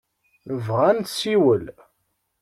Nebɣa ad nessiwel.